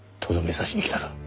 刺しに来たか。